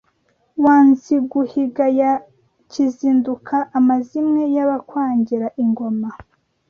Wa Nziguhiga ya Kizinduka, Amazimwe y’abakwangira ingoma